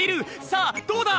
さあどうだ！？